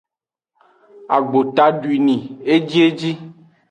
Agbota dwini ejieji.